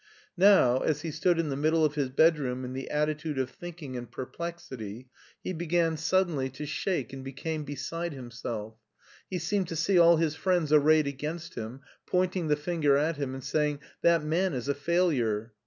Now, as he stood in the middle of his bedroom in the attitude of thinking and perplexity, he began suddenly S37 228 MARTIN SCHULER to shake and became beside himself. He seemed to see all his friends arrayed against him, pointing the finger at him and saying " That man is a failure."